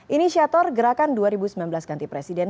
inisiator gerakan dua ribu sembilan belas ganti presiden